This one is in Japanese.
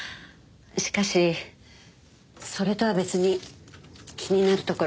しかしそれとは別に気になるところが。